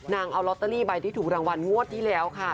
เอาลอตเตอรี่ใบที่ถูกรางวัลงวดที่แล้วค่ะ